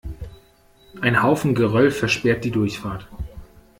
Ein Haufen Geröll versperrt die Durchfahrt.